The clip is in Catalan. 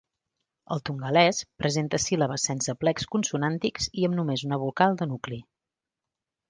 El tongalès presenta síl·labes sense aplecs consonàntics i amb només una vocal de nucli.